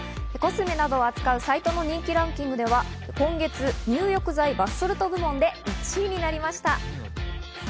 コスメなどを扱うサイトの人気ランキングでは今月、入浴剤・バスソルト部門で１位になりました。